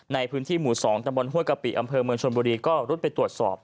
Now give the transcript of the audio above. ในพื้นที่หมู่สองตฮล์กปิอำเภอเมืองชนบุรีที่ก็รุ่นไปตรวจสอบ